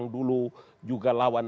pada akhirnya presiden